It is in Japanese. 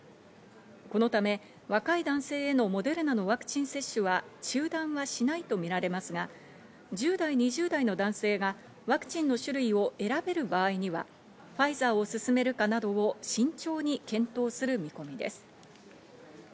このため、若い男性へのモデルナのワクチン接種は中断はしないとみられますが、１０代、２０代の男性がワクチンの種類を選べる場合には、ファイザーを勧めるかなどを慎重に検討する見込みです。